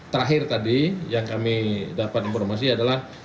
terakhir tadi yang kami dapat informasi adalah